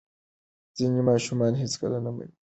ځینې ماشومان هېڅکله نه مني چې جدا شي.